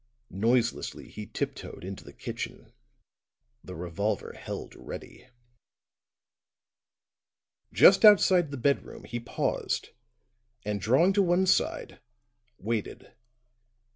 Noiselessly he tip toed into the kitchen, the revolver held ready; just outside the bedroom he paused, and drawing to one side, waited.